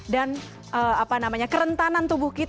dan apa namanya kerentanan tubuh kita